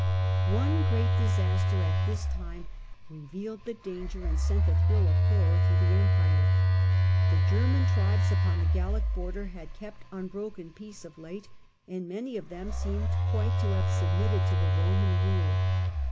One great disaster at this time revealed the danger and sent a thrill of horror through the Empire. The German tribes upon the Gallic border had Disasters iu kept unbroken peace of late, and many of Germany, them seemed quite to have submitted to the Roman rule.